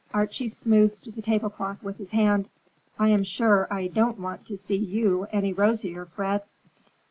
Archie smoothed the tablecloth with his hand. "I am sure I don't want to see you any rosier, Fred."